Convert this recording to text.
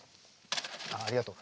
ああありがとう。